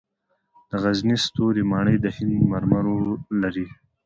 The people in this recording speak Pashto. د غزني ستوري ماڼۍ د هند مرمرو لري